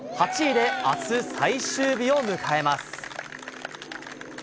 ８位で明日、最終日を迎えます。